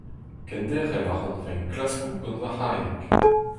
Kenderc'hel a ran va enklaskoù gant va c'hayak.